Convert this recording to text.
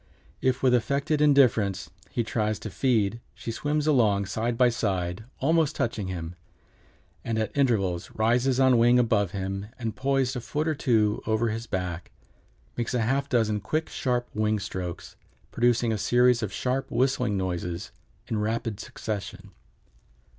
If with affected indifference he tries to feed she swims along side by side, almost touching him, and at intervals rises on wing above him and, poised a foot or two over his back, makes a half dozen quick, sharp wing strokes, producing a series of sharp, whistling noises in rapid succession.